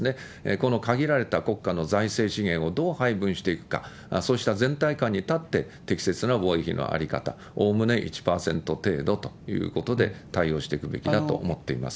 この限られた国家の財政資源をどう配分していくか、そうした全体観に立って適切な防衛費の在り方、おおむね１％程度ということで対応していくべきだと思っています。